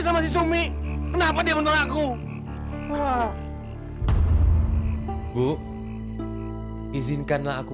sampai jumpa di video selanjutnya